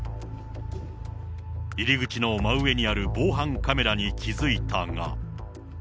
入り口の真上にある防犯カメラに気付いたが。